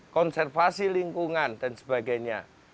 konservasi lingkungan dan sebagainya